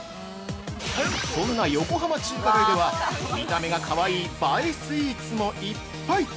◆そんな横浜中華街では、見た目が可愛いい映えスイーツもいっぱい！